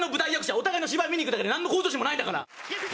お互いの芝居見に行くだけでなんの向上心もないんだから。